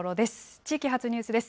地域発ニュースです。